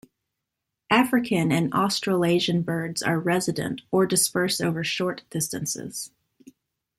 African and Australasian birds are resident or disperse over short distances.